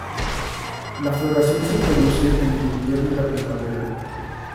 La floración se produce en el invierno y la primavera.